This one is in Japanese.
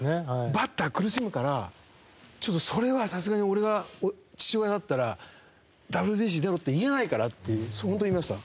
バッター苦しむからちょっとそれはさすがに俺が父親だったらＷＢＣ出ろって言えないからって本当に言いました。